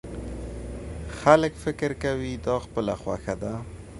خلک فکر کوي دا خپله خوښه ده.